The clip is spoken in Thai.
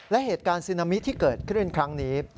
และเหตุการณ์ซึนามิที่เกิดขึ้นครั้งนี้